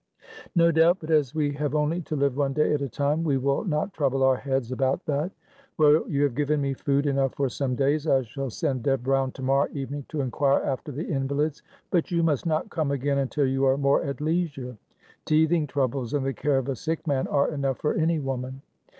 "No doubt, but as we have only to live one day at a time, we will not trouble our heads about that. Well, you have given me food enough for some days. I shall send Deb round to morrow evening to inquire after the invalids, but you must not come again until you are more at leisure. Teething troubles and the care of a sick man are enough for any woman."